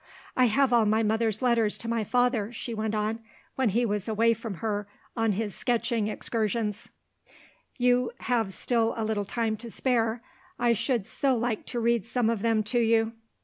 "I have all my mother's letters to my father," she went on, "when he was away from her on his sketching excursions, You have still a little time to spare I should so like to read some of them to you.